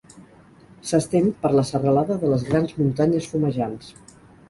S'estén per la serralada de les Grans Muntanyes Fumejants.